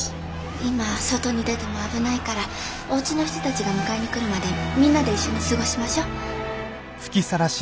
今は外に出ても危ないからおうちの人たちが迎えに来るまでみんなで一緒に過ごしましょう。